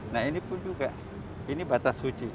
nah ini pun juga ini batas suci